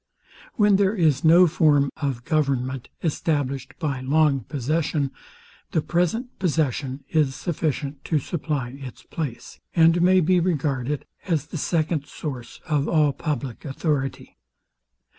When there is no form of government established by long possession, the present possession is sufficient to supply its place, and may be regarded as the second source of all public authority.